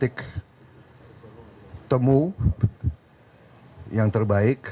kita harus temukan temuan yang terbaik